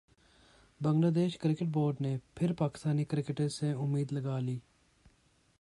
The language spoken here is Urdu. بنگلہ دیش کرکٹ بورڈ نے پھر پاکستانی کرکٹرز سے امید لگا لی